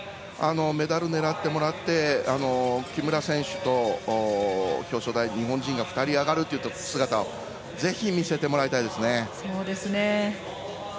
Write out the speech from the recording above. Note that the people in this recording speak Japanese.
メダルを狙ってもらって木村選手と表彰台、日本人が２人上がる姿をぜひ見せてもらいたいですね。